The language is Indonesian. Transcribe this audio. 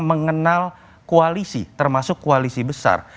mengenal koalisi termasuk koalisi besar